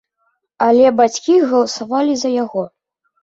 Але бацькі галасавалі за яго.